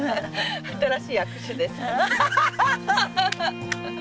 新しい握手ですね。